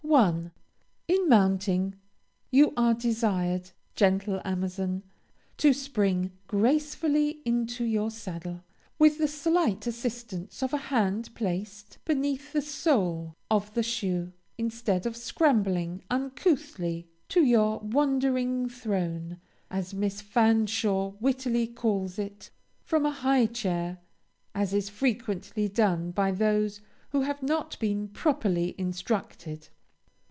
1. In mounting you are desired, gentle Amazon, to spring gracefully into your saddle, with the slight assistance of a hand placed beneath the sole of the shoe, instead of scrambling uncouthly to your "wandering throne," as Miss Fanshawe wittily calls it, from a high chair, as is frequently done by those who have not been properly instructed.